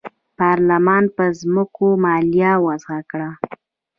پارلمان پر ځمکو مالیه وضعه کړه.